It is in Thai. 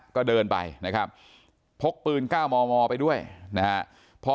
ก็เดินไปนะครับพกปืนก้าวมอไปด้วยนะครับ